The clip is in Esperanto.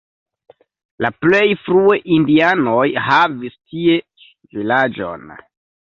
La plej frue indianoj havis tie vilaĝon.